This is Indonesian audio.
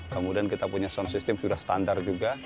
kemudian kita punya sound system sudah standar juga